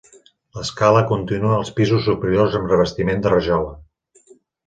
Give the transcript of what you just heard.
L'escala continua als pisos superiors amb revestiment de rajola.